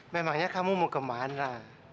memangnya kamu mau kemana